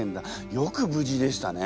よく無事でしたね。